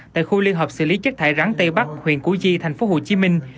tại khu liên hợp xử lý chất thải rắn tây bắc huyện cú di tp hcm